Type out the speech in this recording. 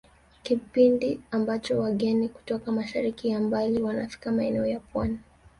Kipindi ambacho wageni kutoka mashariki ya mbali wanafika maeneo ya Pwani